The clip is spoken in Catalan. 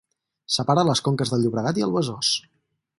Separa les conques del Llobregat i el Besòs.